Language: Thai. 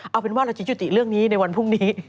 เอาเป็นว่าเราจะยุติเรื่องนี้ในวันพรุ่งนี้